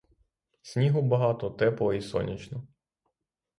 Снігу багато, тепло і сонячно.